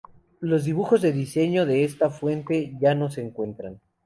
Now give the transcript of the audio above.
Los dibujos de diseño de esta fuente ya no se encuentran.